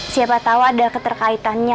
siapa tau ada keterkaitannya